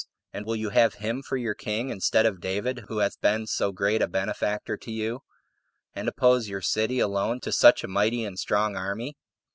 And will you have him for your king instead of David, who hath been so great a benefactor to you, and oppose your city alone to such a mighty and strong army?"